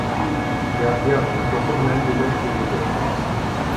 ياق ياق، چوقۇم مەن بىلەن كېتىدۇ.